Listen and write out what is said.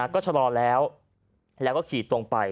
ก็ชะลอแล้วแล้วก็ขี่ตรงไป